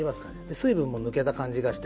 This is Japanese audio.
水分も抜けた感じがして。